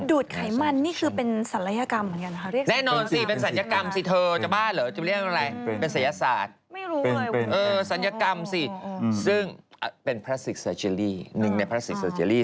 ดูดไขมันนี่คือเป็นศัลยกรรมเหมือนกันค่ะ